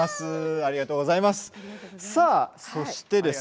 ありがとうございます。